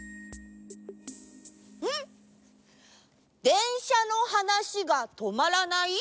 「でんしゃのはなしがとまらない」？